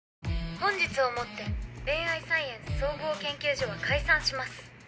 本日をもって恋愛サイエンス総合研究所は解散します。